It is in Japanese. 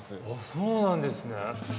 そうなんですね。